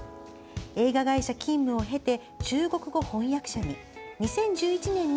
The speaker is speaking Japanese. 映画会社勤務を経て中国語翻訳者に。